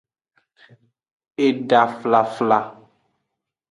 Eda flfla.